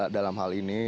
dalam hal ini